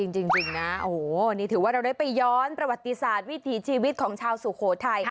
จริงนะโอ้โหนี่ถือว่าเราได้ไปย้อนประวัติศาสตร์วิถีชีวิตของชาวสุโขทัย